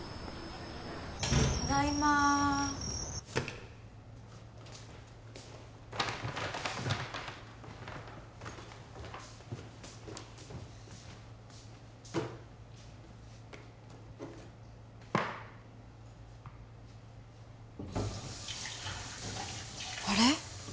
ただいまあれ？